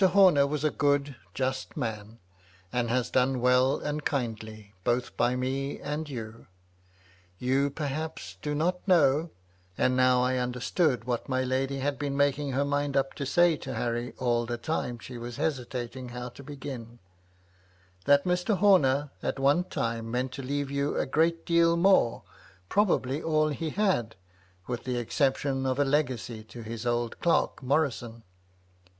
Homer was a good, just man ; and has done well and kindly, both by me and you. You perhaps do not know " (and now I under stood what my lady had been making up her mind to say to Harry, all the time she was hesitating how to begin) " that Mr. Horner, at one time, meant to leave you a great deal more ; probably all he had, with the exception of a legacy to his old clerk, Morrison.